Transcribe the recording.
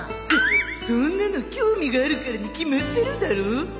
そそんなの興味があるからに決まってるだろ